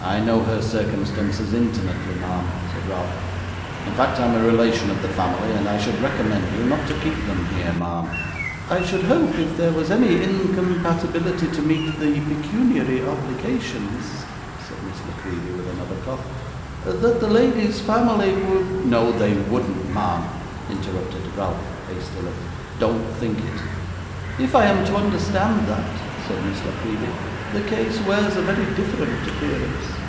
'I know her circumstances intimately, ma'am,' said Ralph; 'in fact, I am a relation of the family; and I should recommend you not to keep them here, ma'am.' 'I should hope, if there was any incompatibility to meet the pecuniary obligations,' said Miss La Creevy with another cough, 'that the lady's family would ' 'No they wouldn't, ma'am,' interrupted Ralph, hastily. 'Don't think it.' 'If I am to understand that,' said Miss La Creevy, 'the case wears a very different appearance.